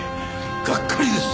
がっかりです！